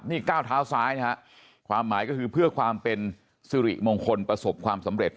นี่ก้าวเท้าซ้ายนะฮะความหมายก็คือเพื่อความเป็นสิริมงคลประสบความสำเร็จ